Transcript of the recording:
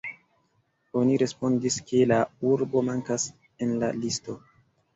Oni respondis, ke la urbo mankas en la listo.